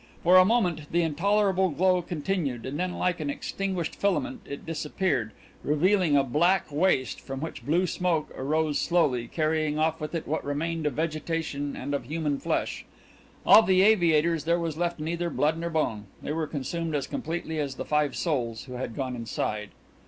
For a moment the intolerable glow continued, and then like an extinguished filament it disappeared, revealing a black waste from which blue smoke arose slowly, carrying off with it what remained of vegetation and of human flesh. Of the aviators there was left neither blood nor bone they were consumed as completely as the five souls who had gone inside.